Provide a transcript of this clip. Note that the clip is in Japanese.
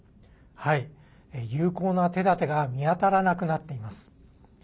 有効な手だてが見当たらなくなっています。